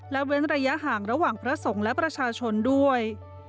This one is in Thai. และเว้นระยะห่างระหว่างพระสงฆ์และประชาชนด้วย